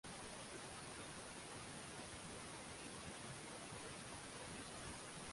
Bila shaka dhumuni la hao lilikuwa ni kumnyamazisha Debby